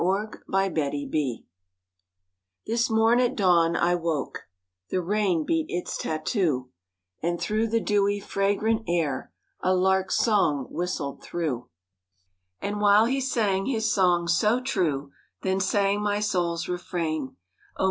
*THE LARK SONG* This morn at dawn I woke, The rain beat its tattoo, And through the dewy, fragrant air A lark's song whistled through: And while he sang his song so true, Then sang my soul's refrain; "Oh!